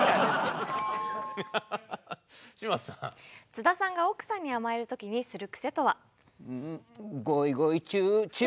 津田さんが奥さんに甘える時にする癖とは？